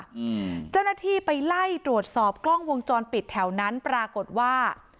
อืมเจ้าหน้าที่ไปไล่ตรวจสอบกล้องวงจรปิดแถวนั้นปรากฏว่า